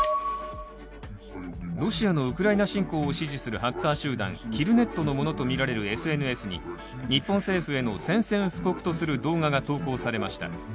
ロシアのウクライナ侵攻を支持するハッカー集団、キルネットのものとみられるＳＮＳに日本政府への宣戦布告とする動画が投稿されました。